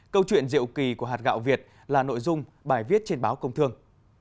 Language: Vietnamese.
câu chuyện diệu kỳ của hạt gạo việt là nội dung bài viết trên báo công thương